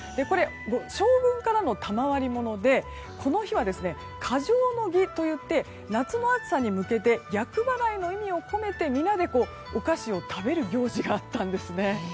将軍からの賜りものでこの日は嘉祥の儀といって夏の暑さに向けて厄払いの意味を込めてみんなでお菓子を食べる行事があったんですね。